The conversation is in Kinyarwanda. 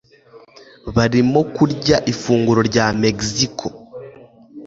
Barimo kurya ifunguro rya Mexico.